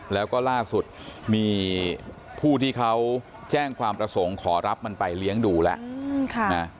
แล้วก็ล่าสุดมีผู้ที่เขาแจ้งความประสงค์ขอรับมันไปเลี้ยงดูแล้ว